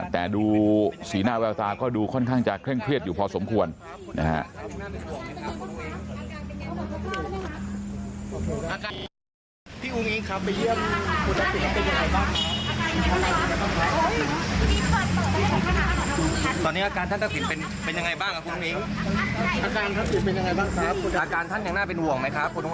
แต่ดูสีหน้าแววตาก็ดูค่อนข้างจะเคร่งเครียดอยู่พอสมควรนะฮะ